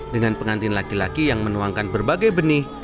dengan pengantin laki laki yang menuangkan berbagai benih